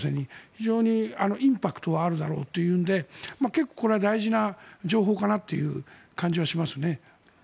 非常にインパクトはあるだろうというので結構、これは大事な情報かなという感じはしますね。